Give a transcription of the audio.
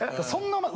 そんな。